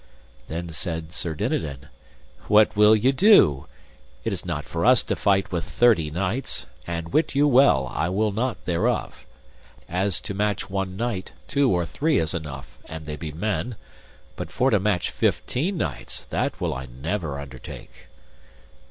Then said Sir Dinadan: What will ye do? it is not for us to fight with thirty knights, and wit you well I will not thereof; as to match one knight two or three is enough an they be men, but for to match fifteen knights that will I never undertake.